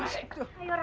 jangan banyak orang